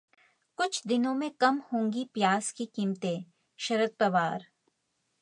कुछ दिनों में कम होंगी प्याज की कीमतें: शरद पवार